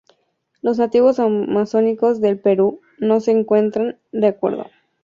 Los nativos amazónicos del Perú no se encuentran de acuerdo.